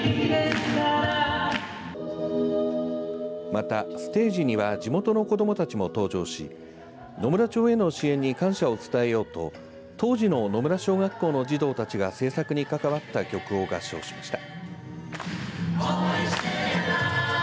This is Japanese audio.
またステージには地元の子どもたちも登場し野村町への支援に感謝を伝えようと当時の野村小学校の児童たちが製作に関わった曲を合唱しました。